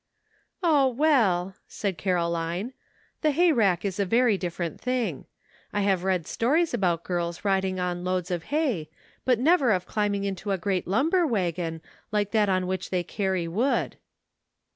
"O, well!" said Caroline, "the hay rack is a very different thing. I have read stories about girls riding on loads of hay, but never of climb ing into a great lumber wagon, like that on which they carry wood."